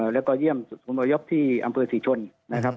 แล้วก็เยี่ยมจุดศูนย์อพยพที่อำเภอศรีชนนะครับ